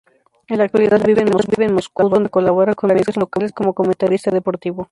En la actualidad vive en Moscú, donde colabora con medios locales como comentarista deportivo.